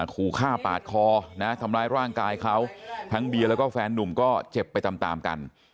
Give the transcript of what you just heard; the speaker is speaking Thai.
คูข้าปากคอทำร้ายร่างกายเขาทั้งเบียแล้วแฟนหนุ่มก็เจ็บไปตามกัน